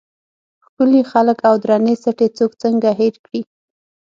ښکلي خلک او درنې سټې څوک څنګه هېر کړي.